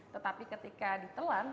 tetapi ketika ditelan